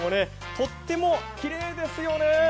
とってもきれいですよね。